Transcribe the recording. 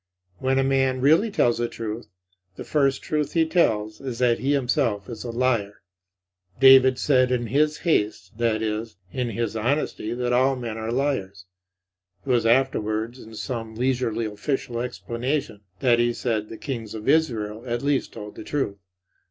When a man really tells the truth, the first truth he tells is that he himself is a liar. David said in his haste, that is, in his honesty, that all men are liars. It was afterwards, in some leisurely official explanation, that he said the Kings of Israel at least told the truth.